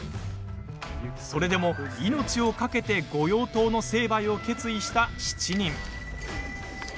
それでも、命を懸けて御用盗の成敗を決意した７人。